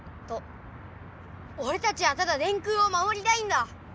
おれたちはただ電空をまもりたいんだ！